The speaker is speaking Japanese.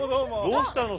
どうしたの。